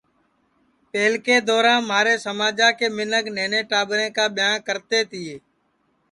پہلکے دورام مھارے سماجا کے منکھ نہنے ٹاٻریں کا ٻیاں کرتے تیے